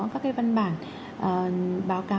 các văn bản báo cáo